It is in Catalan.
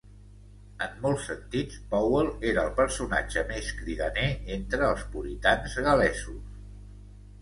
En molts sentits, Powell era el personatge més cridaner entre els puritans gal·lesos.